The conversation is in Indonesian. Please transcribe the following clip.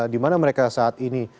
di mana mereka saat ini